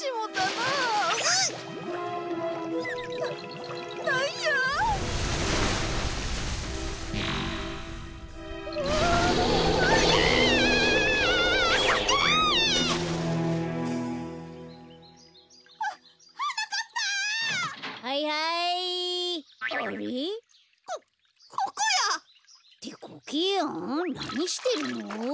なにしてるの？